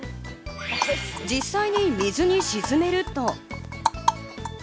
実際に水に沈めると。